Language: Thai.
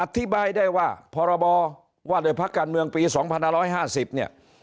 อธิบายได้ว่าพรบว่าด้วยพักการเมืองปี๒๕๕๐เนี่ย